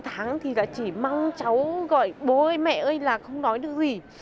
chín tháng thì là chị mang cháu gọi bố ơi mẹ ơi là không nói được gì